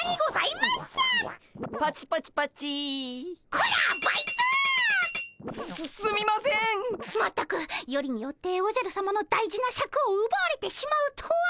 まったくよりによっておじゃるさまの大事なシャクをうばわれてしまうとは。